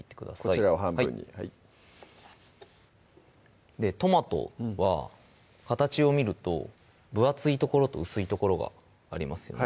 こちらを半分にはいトマトは形を見ると分厚い所と薄い所がありますよね